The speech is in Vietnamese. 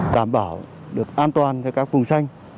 đảm bảo được an toàn cho các vùng xanh